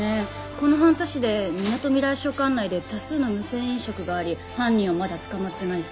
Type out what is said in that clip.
この半年でみなとみらい署管内で多数の無銭飲食があり犯人はまだ捕まってないって。